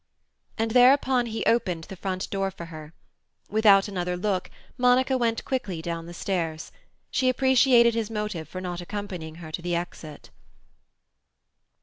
And thereupon he opened the front door for her. Without another look Monica went quickly down the stairs; she appreciated his motive for not accompanying her to the exit.